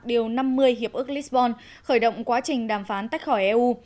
điều năm mươi hiệp ước lisbon khởi động quá trình đàm phán tách khỏi eu